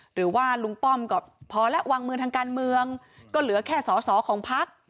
หรือว่าลุงป้อมก็พอแล้ววางมือทางการเมืองก็เหลือแค่สอสอของพัก